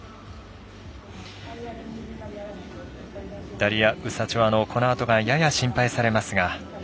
ダリア・ウサチョワのこのあとがやや心配されますが。